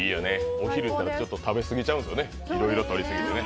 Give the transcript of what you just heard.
お昼行ったらちょっと食べ過ぎちゃうんですよね、いろいろとりすぎてね。